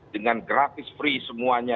dengan gratis free semuanya